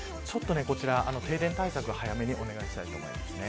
こちら停電対策を早めにお願いしたいと思います。